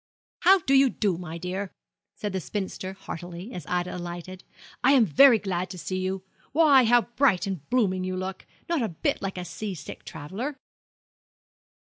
'How do you do, my dear?' said the spinster heartily, as Ida alighted; 'I am very glad to see you. Why, how bright and blooming you look not a bit like a sea sick traveller.'